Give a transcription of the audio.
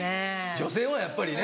女性はやっぱりね。